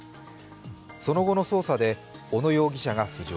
その後の捜査で小野容疑者が浮上。